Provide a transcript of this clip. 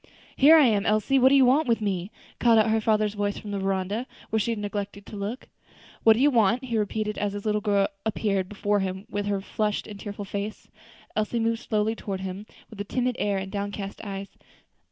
"Here I am, Elsie; what do you want with me?" called out her father's voice from the veranda, where she had neglected to look. "What do you want?" he repeated, as his little girl appeared before him with her flushed and tearful face. Elsie moved slowly toward him, with a timid air and downcast eyes.